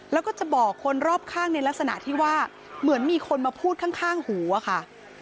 แล้วก็จะบอกคนรอบข้างในลักษณะที่ว่าเหมือนมีคนมาพูดข้างหูอะค่ะ